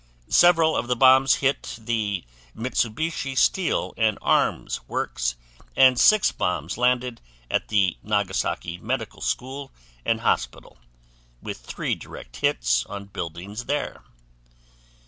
Several of the bombs hit the Mitsubishi Steel and Arms Works and six bombs landed at the Nagasaki Medical School and Hospital, with three direct hits on buildings there.